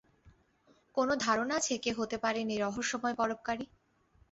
কোনো ধারণা আছে কে হতে পারেন এই রহস্যময় পরোপকারী?